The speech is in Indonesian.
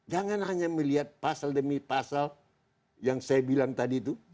jangan hanya melihat pasal demi pasal yang saya bilang tadi itu